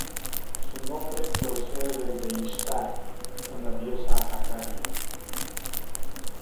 Su nombre procede del de Ishtar, una diosa acadia.